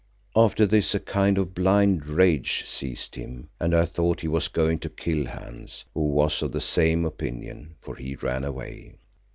After this a kind of blind rage seized him and I thought he was going to kill Hans, who was of the same opinion, for he ran away.